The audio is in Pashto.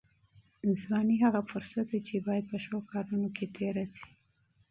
ځواني هغه فرصت دی چې باید په ښو کارونو کې تېر شي.